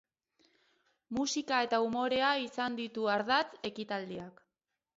Musika eta umorea izan ditu ardatz ekitaldiak.